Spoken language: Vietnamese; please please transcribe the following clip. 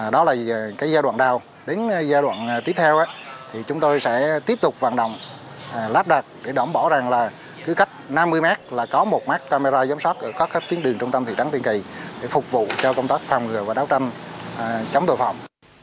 đó là cái giai đoạn đào đến giai đoạn tiếp theo thì chúng tôi sẽ tiếp tục vận động lắp đặt để đảm bảo rằng là cứ cách năm mươi mét là có một mắt camera giám sát ở các tuyến đường trung tâm thị trấn tiên kỳ để phục vụ cho công tác phòng ngừa và đấu tranh chống tội phạm